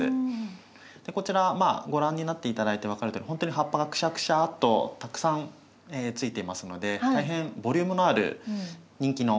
こちらご覧になって頂いて分かるとおりほんとに葉っぱがくしゃくしゃとたくさんついていますので大変ボリュームのある人気のシダになりますね。